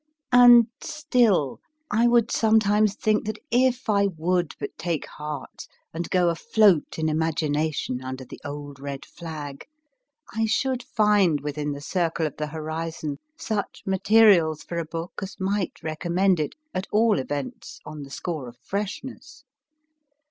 And, still, I would sometimes think that if I would but take heart and go afloat in imagination, under the old red flag, I should find within the circle of the horizon such materials for a book as might recommend it, at all events on the score of freshness.